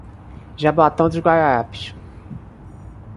Jaboatão Dos Guararapes